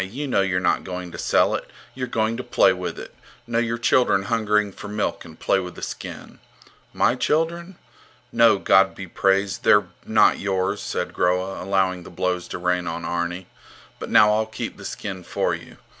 You know you're not going to sell it. You're going to play with it. Know your children hungering for milk and play with the skin! My children? No, God be praised, they're not yours, said Groa, allowing the blows to rain on Arni. But now I'll keep the skin for you.